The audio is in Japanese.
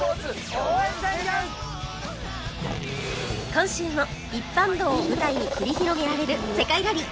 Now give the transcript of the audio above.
今週も一般道を舞台に繰り広げられる世界ラリー！